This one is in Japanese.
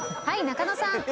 はい中野さん。